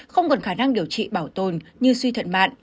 không còn khả năng điều trị bảo tồn như suy thận mạn